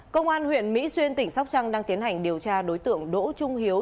công an huyện mỹ xuyên tỉnh sóc trăng đang tiến hành điều tra đối tượng đỗ trung hiếu